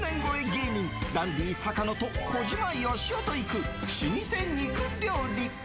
芸人ダンディ坂野と小島よしおと行く老舗肉料理。